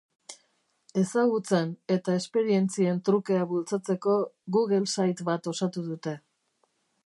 Ezagutzen eta esperientzien trukea bultzatzeko google site bat osatu dute.